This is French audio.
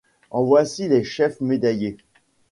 En voici les chefs médaillés.